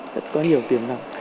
rất có nhiều tiềm năng